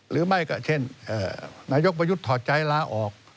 หรือไม่ก็เช่นนายกประยุทธ์ถอดใจลาออก